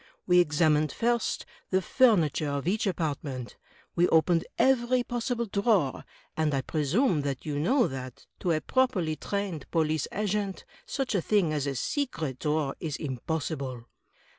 We examined first, the furniture of each apartment, we opened every possible drawer; and I presume that you know that, to a properly trained police agent, such a thing as a secret drawer is impossible.